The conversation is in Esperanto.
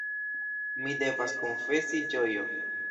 Mi devas konfesi Ĝojo.